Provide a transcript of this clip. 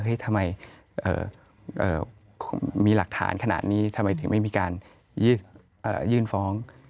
ทำไมมีหลักฐานขนาดนี้ทำไมถึงไม่มีการยื่นฟ้อง